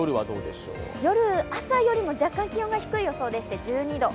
夜、朝よりも若干気温が低い予想でして１２度。